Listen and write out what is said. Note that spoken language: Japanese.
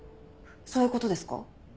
そういう事ですか？